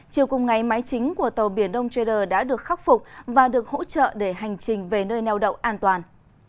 chiều cùng ngày máy chính của tàu biển đông trader đã được khắc phục và được hỗ trợ để hành trình về nơi neo đậu an toàn